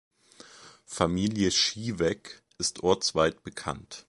Familie Schiewek ist ortsweit bekannt.